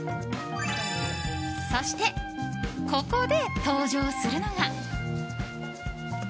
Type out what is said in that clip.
そして、ここで登場するのが。